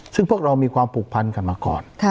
ซึ่งพวกเรามีความผูกพันกันมาก่อน